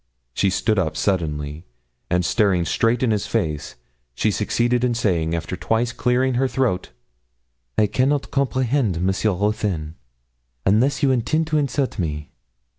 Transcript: She stood up suddenly, and staring straight in his face, she succeeded in saying, after twice clearing her throat 'I cannot comprehend, Monsieur Ruthyn, unless you intend to insult me.'